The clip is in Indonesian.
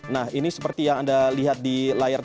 nah ini seperti yang anda lihat di layar